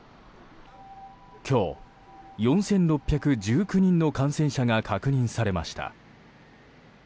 今日、４６１９人の感染者が確認されました。